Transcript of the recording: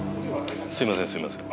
すいませんすいません。